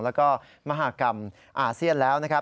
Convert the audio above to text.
แล้วก็มหากรรมอาเซียนแล้วนะครับ